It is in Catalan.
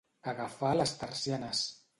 Agafar les tercianes.